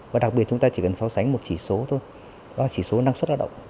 và đặc biệt chúng ta chỉ cần so sánh một chỉ số thôi đó là chỉ số năng suất lao động